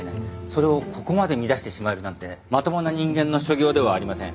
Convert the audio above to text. それをここまで乱してしまえるなんてまともな人間の所業ではありません。